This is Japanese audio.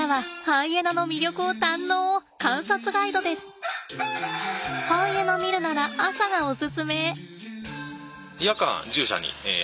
ハイエナ見るなら朝がおすすめ！